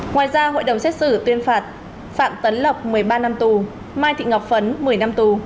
ngoài ra hội đồng xét xử tuyên phạt phạm tấn lộc một mươi ba năm tù mai thị ngọc phấn một mươi năm tù